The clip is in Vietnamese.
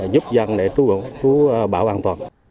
giúp dân để trúc bão an toàn